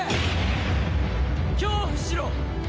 恐怖しろ！